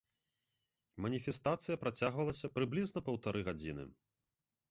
Маніфестацыя працягвалася прыблізна паўтары гадзіны.